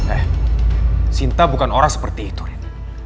eh cinta bukan orang seperti itu rin